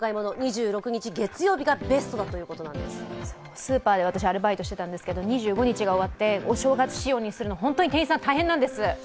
スーパーで私、アルバイトしていたんですけれども、２５日が終わってお正月仕様にするの、本当に店員さん、大変なんです。